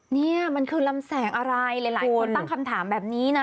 นี่มันคือลำแสงอะไรหลายคนตั้งคำถามแบบนี้นะ